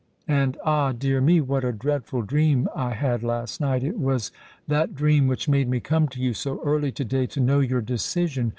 And, ah! dear me—what a dreadful dream I had last night! It was that dream which made me come to you so early to day, to know your decision.